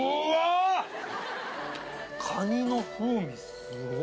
カニの風味すごっ。